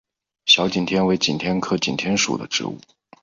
小景天为景天科景天属的植物。